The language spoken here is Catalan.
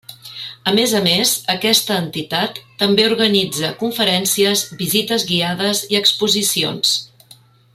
A més a més, aquesta entitat també organitza conferències, visites guiades i exposicions.